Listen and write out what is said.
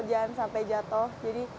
jangan sampai jatuh jadi